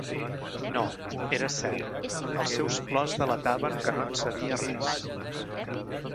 No, era cert, els seus plors delataven que no en sabia res.